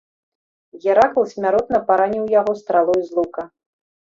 Геракл смяротна параніў яго стралой з лука.